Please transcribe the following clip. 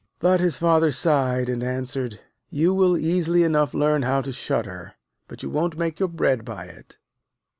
But his Father sighed, and answered: 'You will easily enough learn how to shudder, but you won't make your bread by it.'